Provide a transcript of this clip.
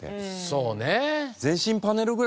そうね。